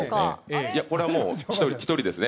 これはもう一人ですね。